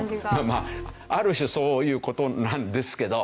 まあある種そういう事なんですけど。